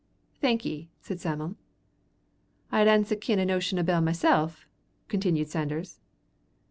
"Thank ye," said Sam'l. "I had ance a kin' o' notion o' Bell mysel," continued Sanders.